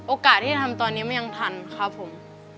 โอกาสที่จะทำตอนนี้มันยังทันครับผม